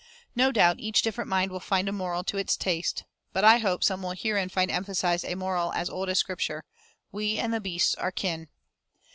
No doubt each different mind will find a moral to its taste, but I hope some will herein find emphasized a moral as old as Scripture we and the beasts are kin.